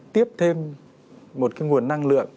tiếp thêm một cái nguồn năng lượng